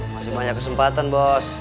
masih banyak kesempatan bos